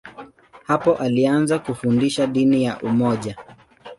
Hapo alianza kufundisha dini ya umoja.